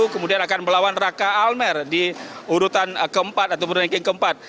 kemudian akan melawan raka almer di urutan keempat atau ranking keempat